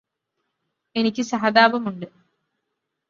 എനിക്ക് സഹതാപമുണ്ട്